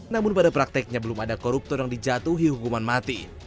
namun pada prakteknya belum ada koruptor yang dijatuhi hukuman mati